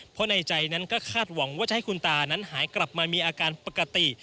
เพราะในใจนั้นก็คาดหวังว่าจะให้คุณตานั้นหายกลับมามีอาการปกติ